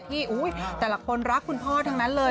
ที่อุ๊ยแต่ละคนรักคุณพ่อทั้งนั้นเลย